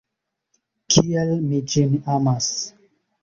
Kiel mi ĝin amas!